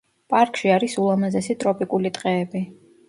პარკში არის ულამაზესი ტროპიკული ტყეები.